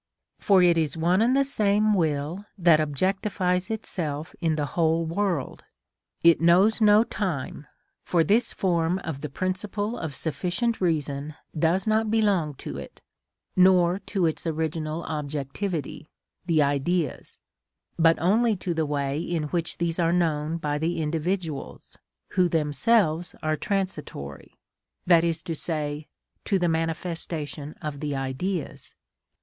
For it is one and the same will that objectifies itself in the whole world; it knows no time, for this form of the principle of sufficient reason does not belong to it, nor to its original objectivity, the Ideas, but only to the way in which these are known by the individuals who themselves are transitory, i.e., to the manifestation of the Ideas.